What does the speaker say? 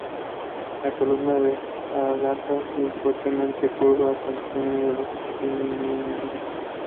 La columna es alada y fuertemente curvada conteniendo dos polinias.